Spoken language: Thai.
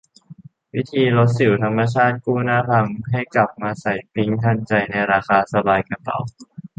วิธีลดสิวธรรมชาติ กู้หน้าพังให้กลับมาใสปิ๊งทันใจ ในราคาสบายกระเป๋า